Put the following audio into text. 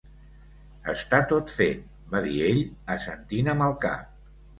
"Està tot fet", va dir ell, assentint amb el cap.